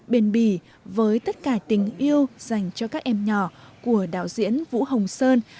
bền bỉ với tất cả tình yêu dành cho các em nhỏ của đạo diễn vũ hồng sơn